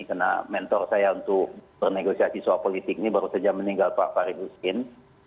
karena mentor saya untuk bernegosiasi soal politik ini baru saja meninggal pak farid husin